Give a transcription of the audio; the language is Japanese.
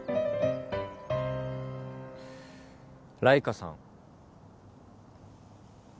ライカさん。